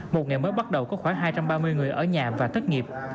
một ngày mới bắt đầu có khoảng hai trăm ba mươi người ở nhà và tất nghiệp